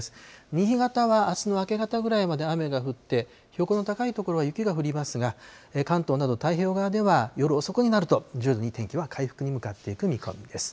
新潟はあすの明け方ぐらいまで雨が降って、標高の高い所は雪が降りますが、関東など太平洋側では夜遅くになると、徐々に天気は回復に向かっていく見込みです。